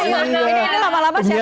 ini lama lama siapa yang jadi